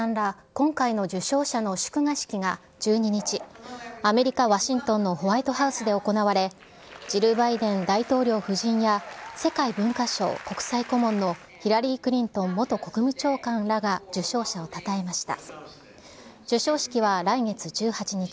今回の受賞者の祝賀式が、１２日、アメリカ・ワシントンのホワイトハウスで行われ、ジル・バイデン大統領夫人や、世界文化賞国際顧問のヒラリー・クリントン元国務長官らが受賞者をたたえました。